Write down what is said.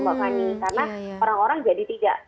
karena orang orang jadi tidak